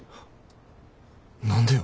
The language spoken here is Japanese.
何でよ。